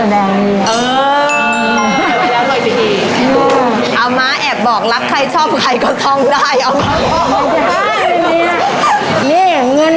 ดนตรี